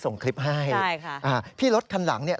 ส่งคลิปให้พี่รถคันหลังเนี่ย